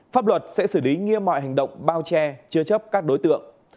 pháp luật sẽ xử lý nghiêm mọi hành động bao che chứa chấp các đối tượng